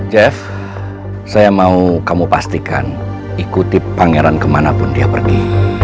jeff saya mau kamu pastikan ikuti pangeran kemanapun dia pergi